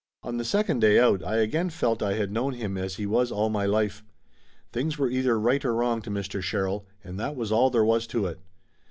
On the second day out I again felt I had known him as he was all my life. Things were either right or wrong to Mr. Sherrill, and that was all there was to it.